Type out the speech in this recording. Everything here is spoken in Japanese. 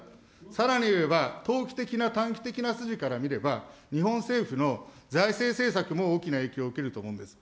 さらに言えば、投機的な短期的な筋から見れば、日本政府の財政政策も大きな影響を受けると思うんです。